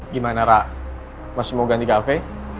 gimana ra masih mau ganti cafe